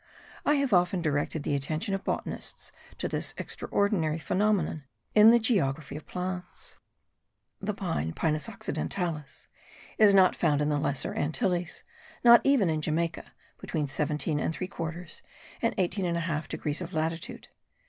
I have often directed the attention of botanists to this extraordinary phenomenon in the geography of plants. The pine (Pinus occidentalis) is not found in the Lesser Antilles; not even in Jamaica (between 17 3/4 and 18 1/2 degrees of latitude).